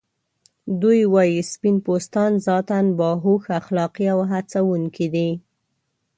دوی وايي سپین پوستان ذاتاً باهوښ، اخلاقی او هڅونکي دي.